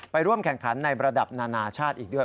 ร่วมแข่งขันในระดับนานาชาติอีกด้วย